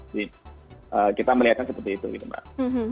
jadi kita melihatnya seperti itu gitu mbak